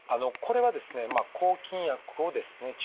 これはですね抗菌薬をですね